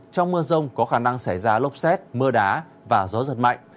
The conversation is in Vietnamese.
trong mưa rông có khả năng xảy ra lốc xét mưa đá và gió giật mạnh